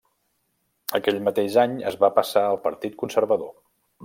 Aquell mateix any es va passar al Partit Conservador.